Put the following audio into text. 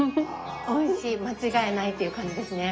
おいしい間違いないっていう感じですね。